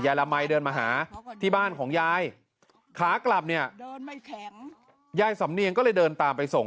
ยายละมัยเดินมาหาที่บ้านของยายขากลับเนี่ยยายสำเนียงก็เลยเดินตามไปส่ง